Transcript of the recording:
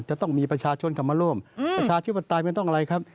จะต้องมีประชาชนกลับมาร่วมประชาธิปไตยไม่ต้องอะไรครับ